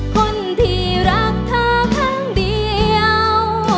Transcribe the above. คนที่รักเธอครั้งเดียว